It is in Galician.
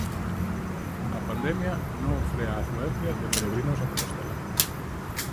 A pandemia non frea a afluencia de peregrinos a Compostela.